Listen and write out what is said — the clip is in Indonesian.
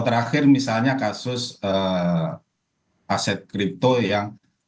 terakhir misalnya kasus aset kripto yang